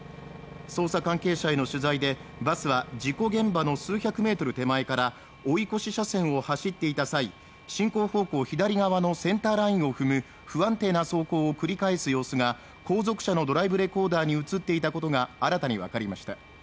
捜査関係者への取材でバスは事故現場の数百メートル手前から追い越し車線を走っていた際進行方向左側のセンターラインを踏む不安定な走行を繰り返す様子が後続車のドライブレコーダーに映っていたことが新たに分かりました